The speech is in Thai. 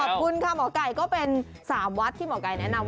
ขอบคุณค่ะหมอไก่ก็เป็น๓วัดที่หมอไก่แนะนำ